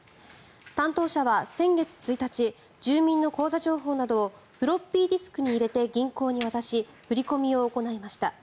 担当者は先月１日住民の口座情報などをフロッピーディスクに入れて銀行に渡し振り込みを行いました。